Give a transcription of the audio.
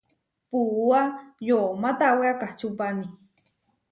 Puúa yomá tawé akačupani.